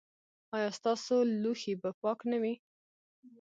ایا ستاسو لوښي به پاک نه وي؟